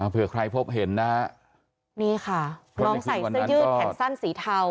เผื่อใครพบเห็นนะฮะนี่ค่ะน้องใส่เสื้อยืดแขนสั้นสีเทา